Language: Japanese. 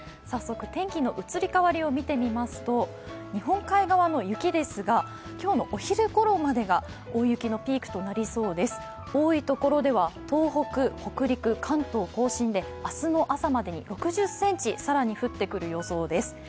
早速、天気の移り変わりを見てみますと、日本海側の雪ですが、今日のお昼ごろまでが大雪のピークとなりそうです多いところでは東北、北陸、関東甲信で明日の朝までに６０ｃｍ、さらに降ってくる予想です。